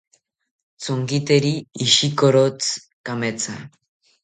Tsonkiriteri ishikorotsi kametha